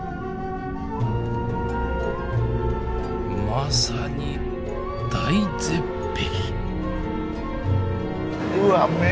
まさに大絶壁！